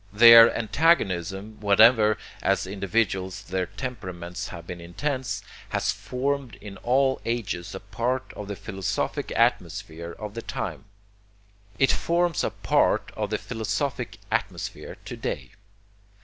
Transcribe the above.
Their antagonism, whenever as individuals their temperaments have been intense, has formed in all ages a part of the philosophic atmosphere of the time. It forms a part of the philosophic atmosphere to day.